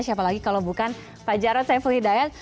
siapa lagi kalau bukan pak jarod saiful hidayat